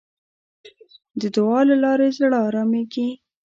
د دعا له لارې زړه آرامېږي.